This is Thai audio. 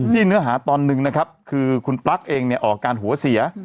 เนื้อหาตอนหนึ่งนะครับคือคุณปลั๊กเองเนี่ยออกการหัวเสีย